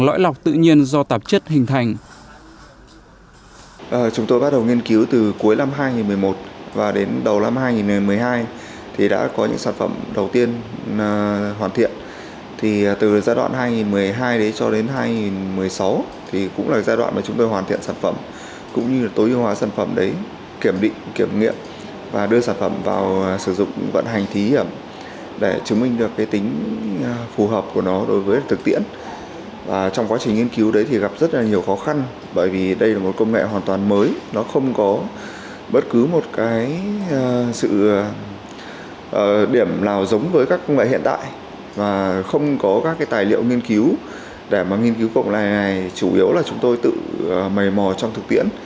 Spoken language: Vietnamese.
lớp kia để tạo nên màng lõi lọc tự nhiên do tạp chất hình thành